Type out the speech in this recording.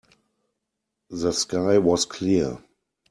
The sky was clear.